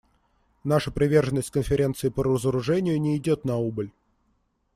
Наша приверженность Конференции по разоружению не идет на убыль.